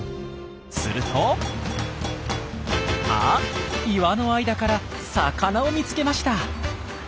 するとあっ岩の間から魚を見つけました！